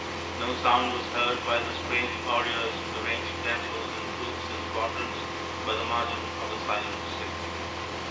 No sound was heard while the strange warriors arranged themselves in troops and squadrons by the margin of the silent sea.